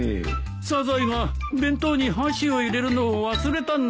サザエが弁当に箸を入れるのを忘れたんだ。